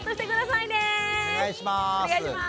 お願いします。